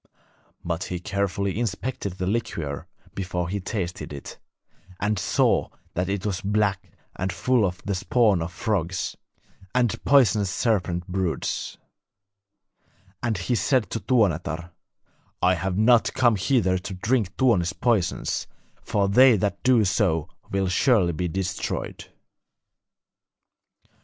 But he carefully inspected the liquor before he tasted it, and saw that it was black and full of the spawn of frogs and poisonous serpent broods; and he said to Tuonetar: 'I have not come hither to drink Tuoni's poisons, for they that do so will surely be destroyed.'